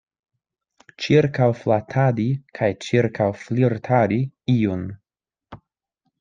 Ĉirkaŭflatadi kaj ĉirkaŭflirtadi iun.